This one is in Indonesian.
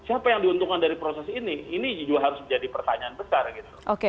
tapi apa yang diuntungkan dari proses ini ini juga harus menjadi pertanyaan besar